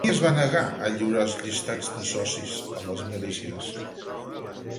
Qui es va negar a lliurar els llistats de socis a les milícies?